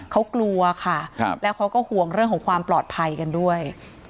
เขากลัวค่ะแล้วเขาก็ห่วงเรื่องของความปลอดภัยกันด้วย